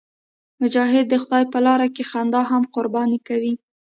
مجاهد د خدای په لاره کې خندا هم قرباني کوي.